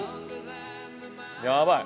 やばい！